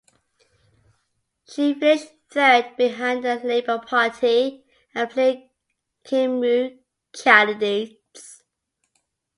She finished third behind the Labour Party and Plaid Cymru candidates.